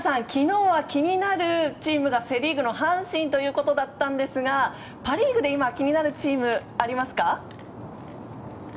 昨日は気になるチームがセ・リーグの阪神ということだったんですがパ・リーグで気になるチームはありますか？